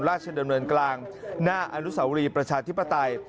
ราชดำเนินกลางหน้าอนุสาวรีประชาธิปไตย